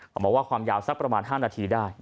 เขาบอกว่าความยาวสักประมาณ๕นาทีได้